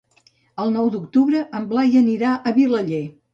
El nou d'octubre en Blai anirà a Vilaller.